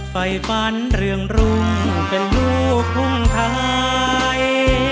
ไฟฟันเรืองรุ่งเป็นลูกทุ่งไทย